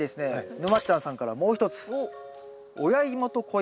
ぬまっちゃんさんからもう一つ。